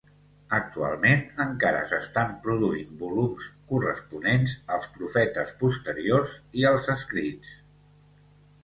Actualment encara s'estan produint volums corresponents als profetes posteriors i als escrits.